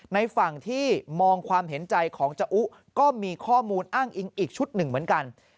ในฝั่งที่มองความเห็นใจของจอุก็มีข้อมูลอ้างอิงอีกชุดหนึ่งเหมือนกัน